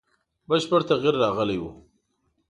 بشپړ تغییر راغلی وو.